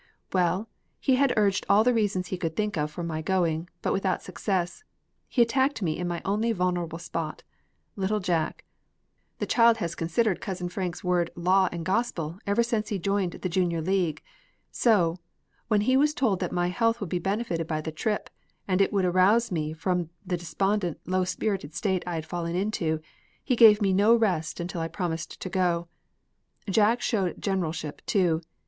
"When he had urged all the reasons he could think of for my going, but without success, he attacked me in my only vulnerable spot, little Jack. The child has considered Cousin Frank's word law and gospel ever since he joined the Junior League. So, when he was told that my health would be benefited by the trip, and it would arouse me from the despondent, low spirited state I had fallen into, he gave me no rest until I promised to go. Jack showed generalship, too.